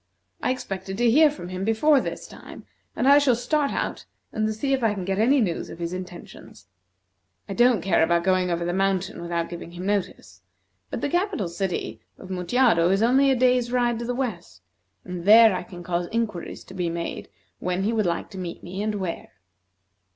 I expected to hear from him before this time, and I shall start out and see if I can get any news of his intentions. I don't care about going over the mountain without giving him notice, but the capital city of Mutjado is only a day's ride to the west, and there I can cause inquiries to be made when he would like to meet me, and where."